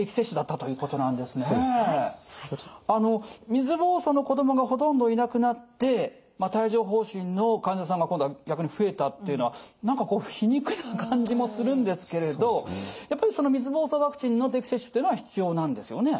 水ぼうそうの子供がほとんどいなくなって帯状ほう疹の患者さんが今度は逆に増えたっていうのは何か皮肉な感じもするんですけれどやっぱり水ぼうそうワクチンの定期接種っていうのは必要なんですよね？